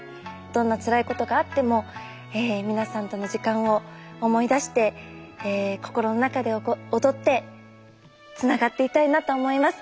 どんなつらいことがあっても皆さんとの時間を思い出して心の中で踊ってつながっていたいなと思います。